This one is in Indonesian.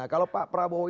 kalau pak prabowo ada